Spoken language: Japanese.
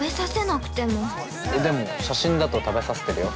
でも写真だと食べさせてるよ。